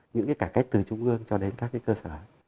những cái cải cách từ trung ương cho đến các cái cơ sở đó